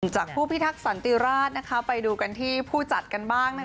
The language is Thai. จากผู้พิทักษันติราชไปดูกันที่ผู้จัดกันบ้าง